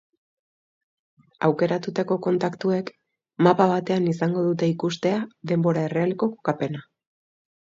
Aukeratutako kontaktuek mapa batean izango dute ikustea denbora errealeko kokapena.